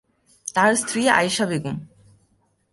তার স্ত্রী আয়েশা বেগম।